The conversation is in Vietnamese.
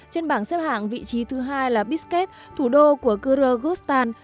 trên bảng xếp hạng vị trí thứ hai là bitket thủ đô của kyrgyzstan